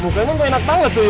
muka aja gak enak banget tuh yuk